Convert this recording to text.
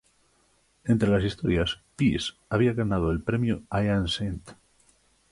Entre las historias, "Piece" había ganado el Premio Ian St.